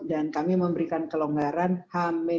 dan kami memberikan kelonggaran h satu